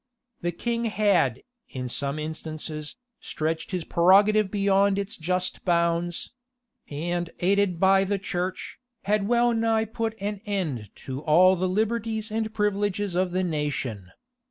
The king had, in some instances, stretched his prerogative beyond its just bounds; and aided by the church, had well nigh put an end to all the liberties and privileges of the nation.